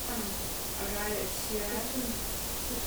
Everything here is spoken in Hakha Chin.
A ral a chia.